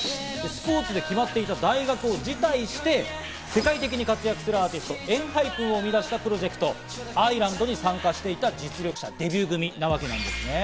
スポーツで決まっていた大学を辞退して、世界的に活躍するアーティスト・ＥＮＨＹＰＥＮを生み出したプロジェクト『ＩーＬＡＮＤ』に参加していた実力者、デビュー組なわけですね。